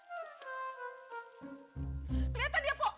kelihatan dia pok